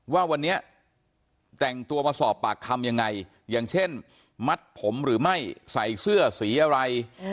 ว่าวันนี้แต่งตัวมาสอบปากคำยังไงอย่างเช่นมัดผมหรือไม่ใส่เสื้อสีอะไร